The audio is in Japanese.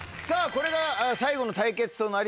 これが最後の対決となります。